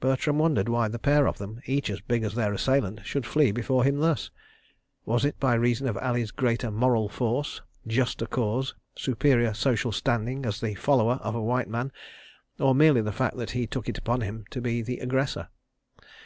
Bertram wondered why the pair of them, each as big as their assailant, should flee before him thus. Was it by reason of Ali's greater moral force, juster cause, superior social standing as the follower of a white man, or merely the fact that he took it upon him to be the aggressor.